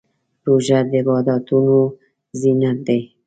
روژه د عبادتونو زینت دی.